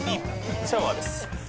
シャワーです。